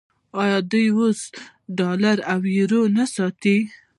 آیا دوی اوس ډالر او یورو نه ساتي؟